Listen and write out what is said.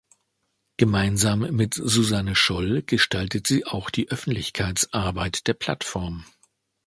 Gemeinsam mit Susanne Scholl gestaltet sie auch die Öffentlichkeitsarbeit der Plattform.